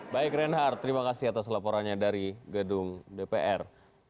baik reinhard terima kasih atas laporannya dari gedung dpr